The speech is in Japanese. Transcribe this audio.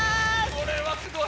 これはすごい！